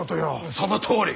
そのとおり！